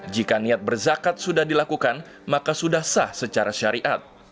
jika niat berzakat sudah dilakukan maka sudah sah secara syariat